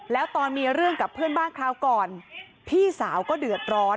แล้วตอนมีเรื่องกับเพื่อนบ้านคราวก่อนพี่สาวก็เดือดร้อน